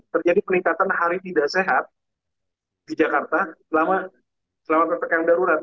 terjadi peningkatan hari tidak sehat di jakarta selama ppkm darurat